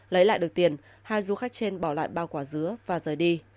lấy lại được tiền hai du khách trên bỏ lại bao quả dứa và rời đi